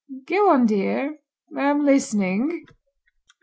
"Go on, dear; I am listening."